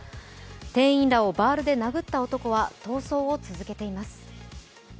店員らをバールで殴った男は逃走を続けています。